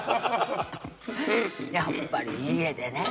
やっぱり家でね